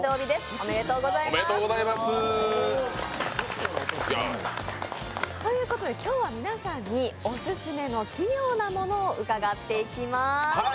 おめでとうございます。ということで、今日は皆さんにオススメの奇妙なものを伺っていきます。